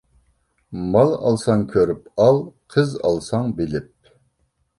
مال ئالساڭ كۆرۈپ ئال، قىز ئالساڭ بىلىپ.